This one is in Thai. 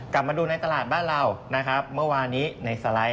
กลับมาดูในตลาดบ้านเรานะครับเมื่อวานนี้ในสไลด์